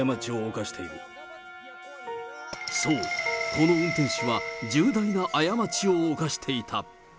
そう、この運転手は重大な過ちを犯していた。